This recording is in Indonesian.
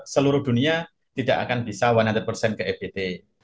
seluruh dunia tidak akan bisa seratus ke ebt